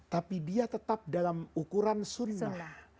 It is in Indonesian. tapi dia tetap dalam ukuran sunnah